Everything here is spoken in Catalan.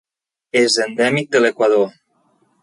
És endèmic de l'Equador.